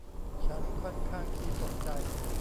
ฉันค่อนข้างขี้ตกใจ